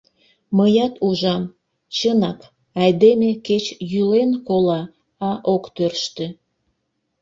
Мыят ужам: чынак, айдеме кеч йӱлен кола, а ок тӧрштӧ.